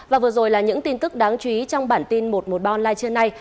và vừa rồi là những tin tức đáng chú ý trong bản tin một trăm một mươi ba online trưa nay